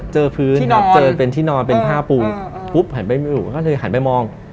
เจอพื้นครับเจอเป็นที่นอนเป็นผ้าปูปุ๊บหันไปไม่อยู่ก็เลยหันไปมอง